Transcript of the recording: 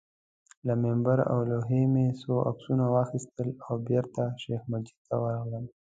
له منبر او لوحې مې څو عکسونه واخیستل او بېرته شیخ مجید ته ورغلم.